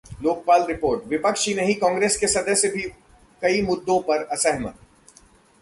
Lokpal report: विपक्ष ही नहीं कांग्रेस के सदस्य भी कई मुद्दों पर असहमत